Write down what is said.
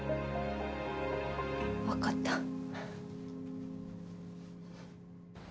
わかった。